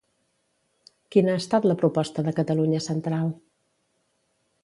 Quina ha estat la proposta de Catalunya Central?